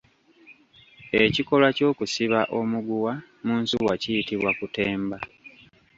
Ekikolwa ky’okusiba omuguwa mu nsuwa kuyitibwa kutemba.